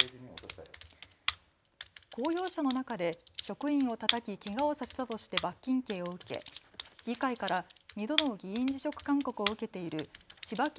公用車の中で職員をたたきけがをさせたとして罰金刑を受け議会から２度の議員辞職勧告を受けている千葉県